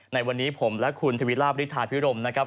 ในวันนี้ผมและคุณทวีราบริธาพิรมนะครับ